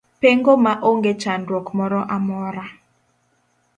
Pengo ma onge chandruok moro amora.